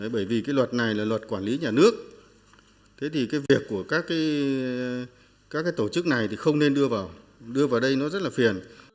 bởi vì cái luật này là luật quản lý nhà nước thế thì cái việc của các tổ chức này thì không nên đưa vào đây nó rất là phiền